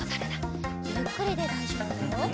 ゆっくりでだいじょうぶだよ。